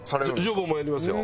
乗馬もやりますよ。